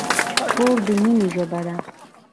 خور د مینې ژبه ده.